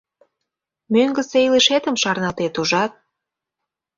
— Мӧҥгысӧ илышетым шарналтет, ужат.